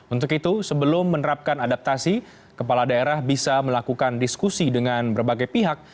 untuk itu sebelum menerapkan adaptasi kepala daerah bisa melakukan diskusi dengan berbagai pihak